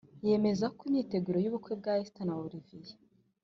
yemezako imyiteguro y’ubukwe bwa esther na olivier